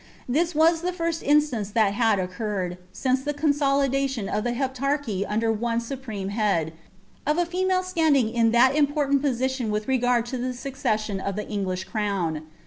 This W8« the £rsl inilance thtit !iui oceurreui since the consolidation of the Heptarchy under one supifmc head, of a female itanding in that important posiiioo with reg»ril to the suceesaioti of the English crown.